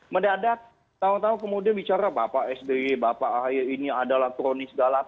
medadak tahun tahun kemudian bicara bapak sd bapak ini adalah kronis galap